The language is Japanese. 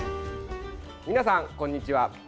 皆さん、こんにちは。